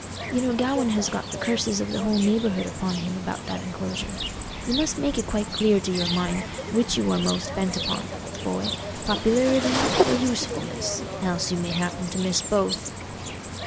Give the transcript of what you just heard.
You know Gawaine has got the curses of the whole neighbourhood upon him about that enclosure. You must make it quite clear to your mind which you are most bent upon, old boy—popularity or usefulness—else you may happen to miss both."